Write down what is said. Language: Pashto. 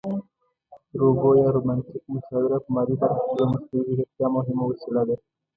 روبو یا روباټیکه مشاوره په مالي برخه کې د مصنوعي ځیرکتیا مهمه وسیله ده